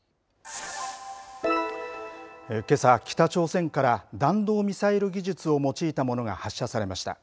けさ、北朝鮮から弾道ミサイル技術を用いた物が発射されました。